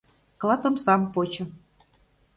Клат омсам почо.